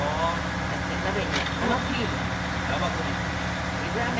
はいじゃあ鍋に生クリーム水あめ。